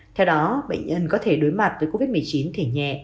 theo đó bệnh nhân có thể đối mặt với covid một mươi chín thể nhẹ